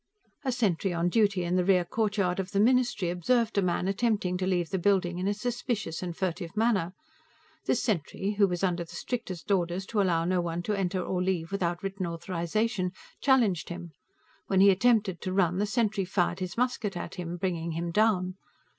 A sentry on duty in the rear courtyard of the Ministry observed a man attempting to leave the building in a suspicious and furtive manner. This sentry, who was under the strictest orders to allow no one to enter or leave without written authorization, challenged him; when he attempted to run, the sentry fired his musket at him, bringing him down.